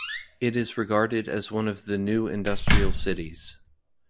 It is regarded as one of the new industrial cities.